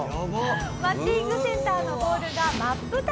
バッティングセンターのボールが真っ二つ。